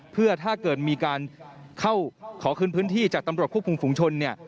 พื้นที่จากตำรวจควบคุมฝุงชนเนี่ย